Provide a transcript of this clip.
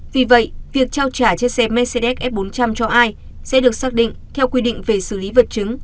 vì vậy việc trao trả chiếc xe mercedes f bốn trăm linh cho ai sẽ được xác định theo quy định về xử lý vật chứng